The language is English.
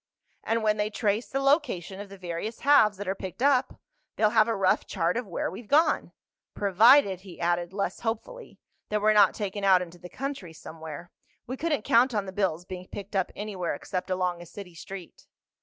"And when they trace the location of the various halves that are picked up, they'll have a rough chart of where we've gone. Provided," he added, less hopefully, "that we're not taken out into the country somewhere. We couldn't count on the bills being picked up anywhere except along a city street."